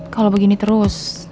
kalau begini terus